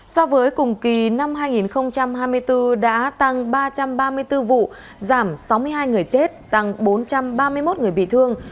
so với cùng kỳ năm hai nghìn hai mươi bốn đã tăng ba trăm ba mươi bốn vụ giảm sáu mươi hai người chết tăng bốn trăm ba mươi một người bị thương